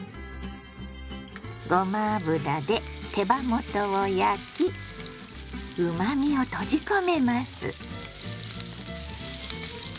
ごま油で手羽元を焼きうまみを閉じ込めます。